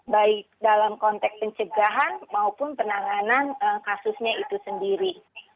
baik dalam konteks pencegahan maupun penanganan kasusnya itu sendiri